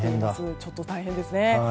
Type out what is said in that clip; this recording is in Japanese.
ちょっと大変ですね。